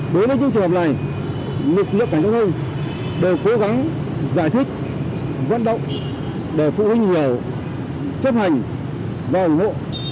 đối với những trường hợp này lực lượng cảnh sát thông đều cố gắng giải thích vấn động để phụ huynh hiểu chấp hành và ủng hộ